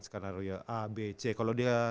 skenario a b c kalau dia